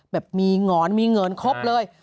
แบบมีหงอนมีเงินครบเลย